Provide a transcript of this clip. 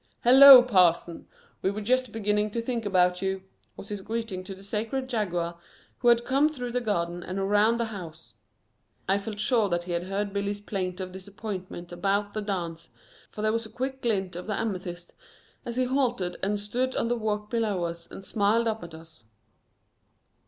"Hello, Parson! We were just beginning to think about you," was his greeting to the Sacred Jaguar who had come through the garden and around the house. I felt sure that he had heard Billy's plaint of disappointment about the dance, for there was a quick glint of the amethysts as he halted and stood on the walk below us and smiled up at us.